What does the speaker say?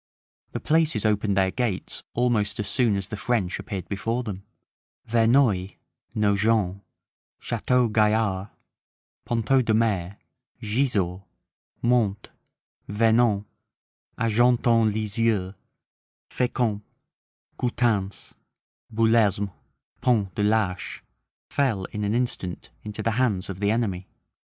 The places opened their gates almost as soon as the French appeared before them; Verneuil, Nogent, Chateau Gaillard, Ponteau de Mer, Gisors, Mante, Vernon, Argentan Lisieux, Fecamp, Coutances, Belesme, Pont de l'Arche, fell in an instant into the hands of the enemy.